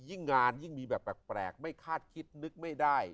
ยิ่งงานยิ่งมีแบบแปลกไม่คาดคิดนึกไม่ได้